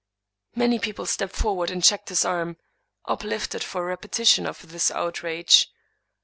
Many people stepped forward and checked his arm, uplifted for a repetition of this outrage.